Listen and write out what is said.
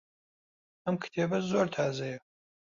ئەم کتێبە زۆر تازەیە.